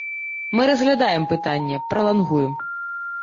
Мы разглядаем пытанне, пралангуем.